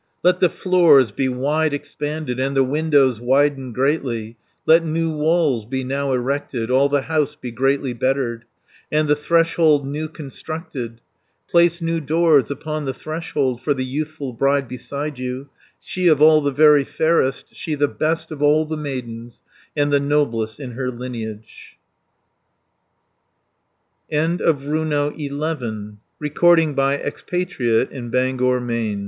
"Let the floors be wide expanded, And the windows widened greatly, Let new walls be now erected, All the house be greatly bettered, And the threshold new constructed, Place new doors upon the threshold, For the youthful bride beside you, She, of all the very fairest, 400 She, the best of all the maidens, And the noblest in her lineage." RUNO XII.